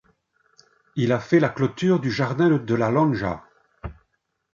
Il a fait la clôture du jardin de la Lonja.